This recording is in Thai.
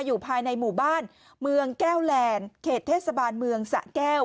อยู่ภายในหมู่บ้านเมืองแก้วแลนด์เขตเทศบาลเมืองสะแก้ว